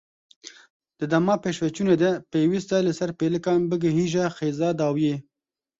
Di dema pêşveçûnê de pêwîst e li ser pêlikan bigihîje xêza dawiyê.